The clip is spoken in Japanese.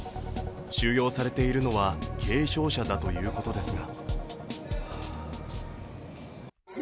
収容されているのは軽症者だということですが。